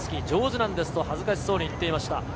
上手なんですと恥ずかしそうに言ってました。